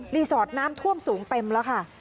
สอดน้ำท่วมสูงเต็มแล้วค่ะ